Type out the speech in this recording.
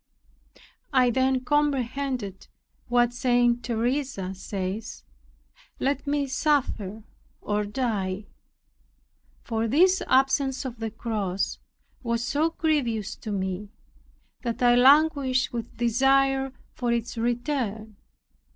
I then comprehended what St. Teresa says, "Let me suffer or die." For this absence of the cross was so grievous to me, that I languished with desire for its return.